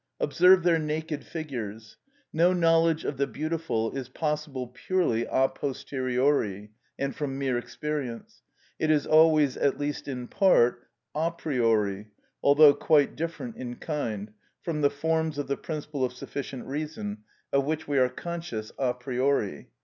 Observe their naked figures. No knowledge of the beautiful is possible purely a posteriori, and from mere experience; it is always, at least in part, a priori, although quite different in kind, from the forms of the principle of sufficient reason, of which we are conscious a priori.